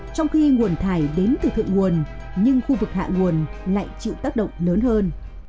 trong khi nguồn thải đến từ thượng nguồn nhưng khu vực hạ nguồn lại chịu tác động lớn hơn